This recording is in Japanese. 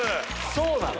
そうなの？